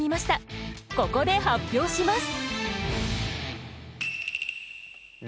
ここで発表します。